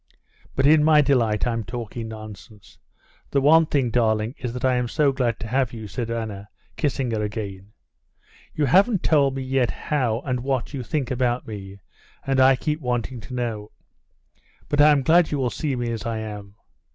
"But in my delight I'm talking nonsense. The one thing, darling, is that I am so glad to have you!" said Anna, kissing her again. "You haven't told me yet how and what you think about me, and I keep wanting to know. But I'm glad you will see me as I am.